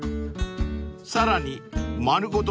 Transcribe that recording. ［さらに丸ごと